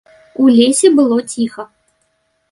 У лесе было ціха.